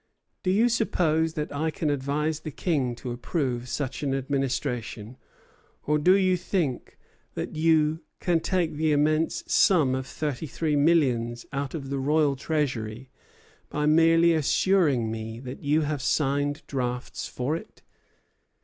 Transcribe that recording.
Do you suppose that I can advise the King to approve such an administration? or do you think that you can take the immense sum of thirty three millions out of the royal treasury by merely assuring me that you have signed drafts for it?